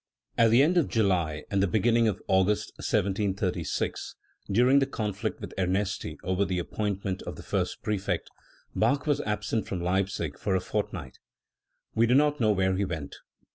At the end of July and the* beginning of August 1736, during the conflict with Ernesti over the appointment of the first prefect, Bach was absent from Leipzig for a fort night. We do not know where he went.